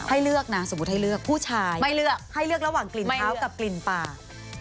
ให้เลือกนะสมมุติให้เลือกผู้ชายไม่เลือกให้เลือกระหว่างกลิ่นเท้ากับกลิ่นปาก